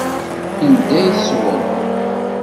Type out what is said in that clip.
Anda i d-tṣewwreḍ?